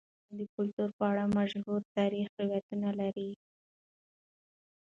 افغانستان د کلتور په اړه مشهور تاریخی روایتونه لري.